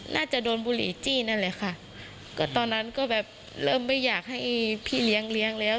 น่าจะโดนบุหรี่จี้นั่นแหละค่ะก็ตอนนั้นก็แบบเริ่มไม่อยากให้พี่เลี้ยงเลี้ยงแล้ว